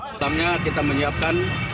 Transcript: pertama kita menyiapkan